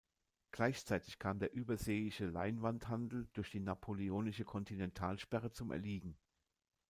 Gleichzeitig kam der überseeische Leinwandhandel durch die napoleonische Kontinentalsperre zum Erliegen.